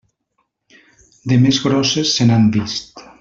De més grosses se n'han vist.